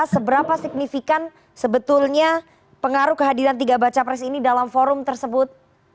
seberapa signifikan sebetulnya pengaruh kehadiran tiga baca pres ini dalam forum tersebut